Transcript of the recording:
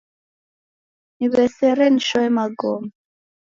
Niw'esere nishoe magome